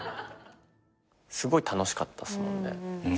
すごい楽しかったっすもんね撮影中。